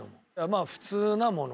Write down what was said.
まあ普通なもの。